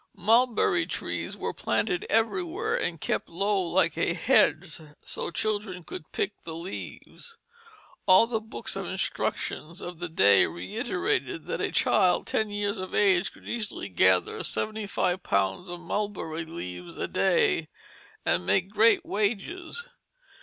Mulberry trees were planted everywhere and kept low like a hedge, so children could pick the leaves. All the books of instruction of the day reiterate that a child ten years of age could easily gather seventy five pounds of mulberry leaves a day, and make great wages.